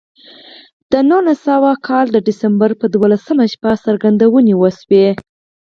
د نولس سوه کال د ډسمبر پر دولسمه شپه څرګندونې وشوې